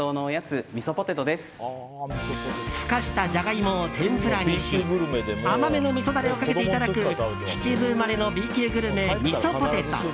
ふかしたジャガイモを天ぷらにし甘めのみそダレをかけていただく秩父生まれのＢ級グルメみそポテト。